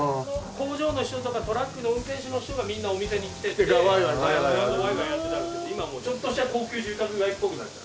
工場の人とかトラックの運転手の人がみんなお店に来ててワイワイやってたんですけど今ちょっとした高級住宅街っぽくなって。